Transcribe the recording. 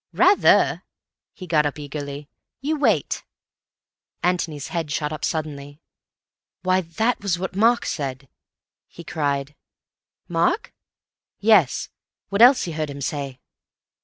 "Rather!" He got up eagerly. "You wait." Antony's head shot up suddenly. "Why, that was what Mark said," he cried. "Mark?" "Yes. What Elsie heard him say."